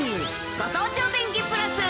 ご当地お天気プラス。